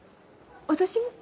私も？